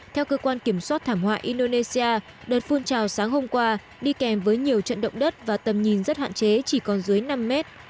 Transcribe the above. theo cơ quan kiểm soát thảm họa indonesia đợt phun trào sáng hôm qua đi kèm với nhiều trận động đất và tầm nhìn rất hạn chế chỉ còn dưới năm mét